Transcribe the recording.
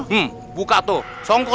tempat kamu nana